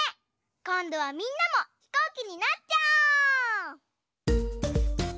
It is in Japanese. こんどはみんなもひこうきになっちゃおう！